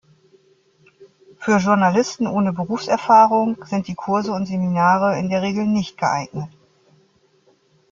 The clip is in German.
Für Journalisten ohne Berufserfahrung sind die Kurse und Seminare in der Regel nicht geeignet.